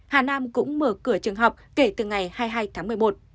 hà nam cũng mở cửa trường học kể từ ngày hai mươi hai tháng một mươi một